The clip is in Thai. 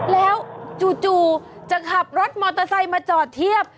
แล้วจู่จะขับรถมอเตอร์ไซค์มาจอดเทียบ